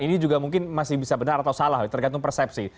ini juga mungkin masih bisa benar atau salah tergantung persepsi